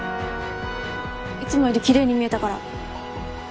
いつもより奇麗に見えたから。